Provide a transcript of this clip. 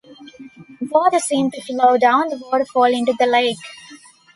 Water seemed to flow down the waterfall into the lake.